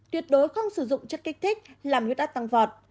tuyệt đối không sử dụng chất kích thích làm nguyên át tăng vọt